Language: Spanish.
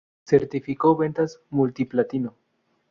Certificó ventas multiplatino.